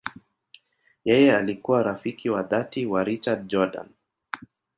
Yeye alikuwa rafiki wa dhati wa Richard Jordan.